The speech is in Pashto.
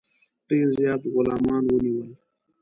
ډېر زیات غلامان ونیول.